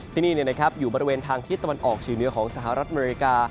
ที่นี่อยู่บริเวณทางทิศตะวันออกเฉียงเหนือของสหรัฐอเมริกา